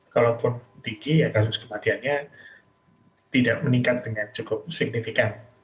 kalaupun tinggi ya kasus kematiannya tidak meningkat dengan cukup signifikan